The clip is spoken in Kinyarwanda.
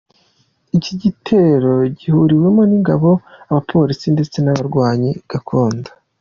Iki gitero gihuriwemo n'ingabo, abapolisi ndetse n'abarwanyi gakondo.